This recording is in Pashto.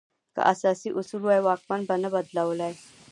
که اساسي اصول وای، واکمن به نه بدلولای.